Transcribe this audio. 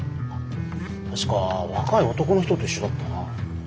確か若い男の人と一緒だったな。